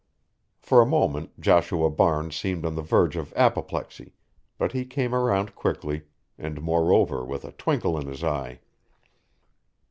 For a moment Joshua Barnes seemed on the verge of apoplexy, but he came around quickly, and moreover with a twinkle in his eye.